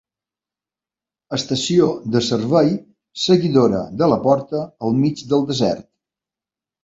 Estació de servei seguidora de Laporta al mig del desert.